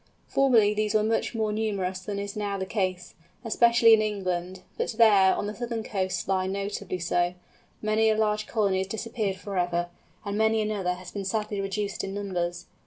Formerly these were much more numerous than is now the case, especially in England, but there, on the southern coast line notably so, many a large colony has disappeared for ever, and many another has been sadly reduced in numbers.